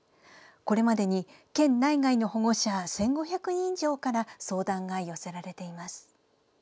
これまでに県内外の保護者１５００人以上から相談が寄せられています。